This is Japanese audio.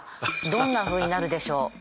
どんなふうになるでしょう？